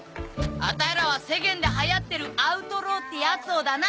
アタイらは世間で流行ってるアウトローってやつをだな。